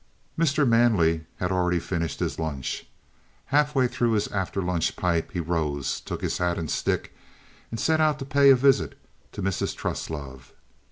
Mr. Manley had already finished his lunch. Halfway through his after lunch pipe he rose, took his hat and stick, and set out to pay a visit to Mrs. Truslove.